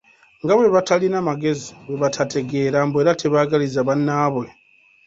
Nga bwe batalina magezi, bwe batategeera, mbu era tebaagaliza bannaabwe.